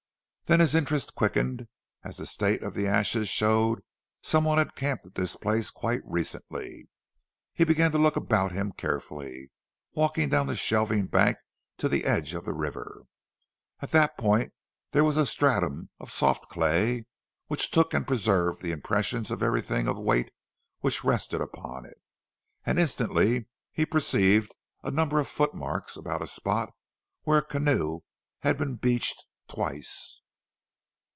Then his interest quickened, as the state of the ashes showed some one had camped at this place quite recently. He began to look about him carefully, walking down the shelving bank to the edge of the river. At that point there was a stratum of soft clay, which took and preserved the impression of everything of weight which rested upon it; and instantly he perceived a number of footmarks about a spot where a canoe had been beached twice.